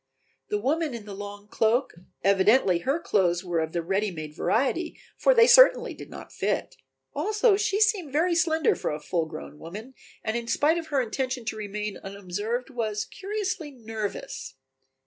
The woman in the long cloak evidently her clothes were of the ready made variety, for they certainly did not fit. Also she seemed very slender for a full grown woman, and in spite of her intention to remain unobserved was curiously nervous.